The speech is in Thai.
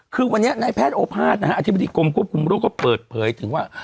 คือวันนี้ในแพทย์โอภาษนะฮะอธิบดีกรมควบคุมโรคก็เปิดเผยถึงว่า